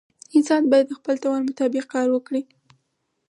انسان باید د خپل توان مطابق کار وکړي.